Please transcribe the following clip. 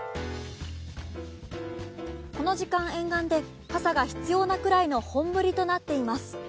この時間沿岸で傘が必要なぐらいの本降りとなっています。